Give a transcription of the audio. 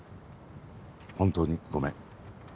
本当にごめん。